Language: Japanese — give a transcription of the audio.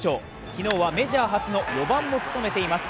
昨日はメジャー初の４番も務めています。